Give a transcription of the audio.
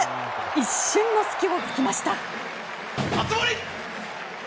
一瞬の隙を突きました。